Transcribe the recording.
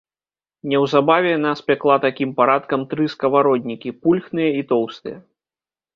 Неўзабаве яна спякла такім парадкам тры скавароднікі, пульхныя і тоўстыя.